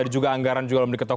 juga anggaran juga belum diketuk